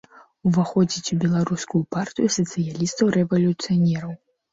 Уваходзіць у беларускую партыю сацыялістаў-рэвалюцыянераў.